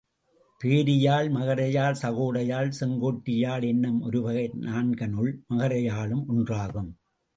பேரியாழ், மகரயாழ், சகோட யாழ், செங்கோட்டி யாழ் என்னும் ஒருவகை நான்கனுள் மகர யாழும் ஒன்றாகும்.